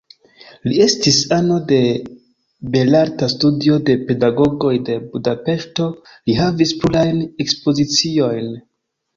Li estis ano de belarta studio de pedagogoj de Budapeŝto, li havis plurajn ekspoziciojn.